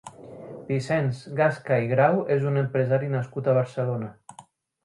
Vicenç Gasca i Grau és un empresari nascut a Barcelona.